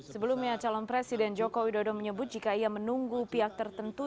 sebelumnya calon presiden joko widodo menyebut jika ia menunggu pihak tertentu